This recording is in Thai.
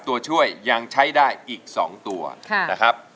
ตัวช่วยยังใช้ได้อีก๒ตัวนะครับ